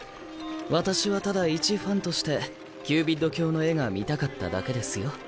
私はただ一ファンとしてキュービッド卿の絵が見たかっただけですよ。